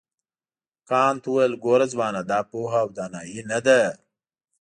کانت وویل ګوره ځوانه دا پوهه او دانایي نه ده.